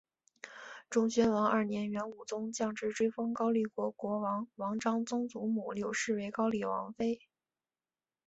忠宣王二年元武宗降制追封高丽国王王璋曾祖母柳氏为高丽王妃。